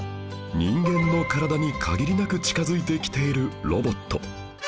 人間の体に限りなく近づいてきているロボット